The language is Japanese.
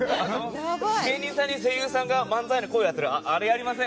声優さんが漫才の声やってるあれやりません？